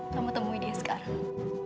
kamu temui dia sekarang